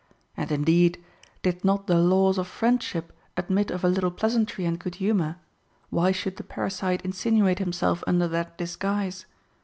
And indeed, did not the laws of friendship admit of a little pleasantry and good humor, why should the parasite insinuate himself under that disguise